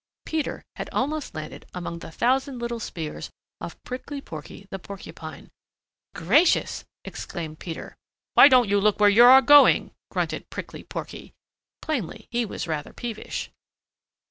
Peter had almost landed among the thousand little spears of Prickly Porky the Porcupine. "Gracious!" exclaimed Peter. "Why don't you look where you are going," grunted Prickly Porky. Plainly he was rather peevish.